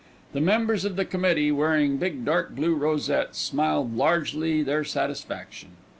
The members of the committee, wearing big dark blue rosettes, smiled largely their satisfaction.